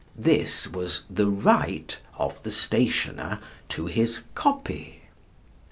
This was the 'right' of the stationer to his 'copy.'